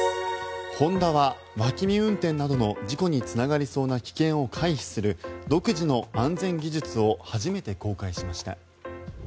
ホンダは脇見運転などの事故につながりそうな危険を回避する独自の安全技術を初めて公開しました。